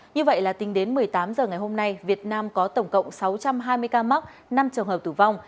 như vậy là tính đến một mươi tám h ngày hôm nay việt nam có tổng cộng sáu trăm hai mươi ca mắc năm trường hợp tử vong